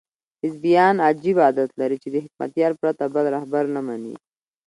حزبیان عجیب عادت لري چې د حکمتیار پرته بل رهبر نه مني.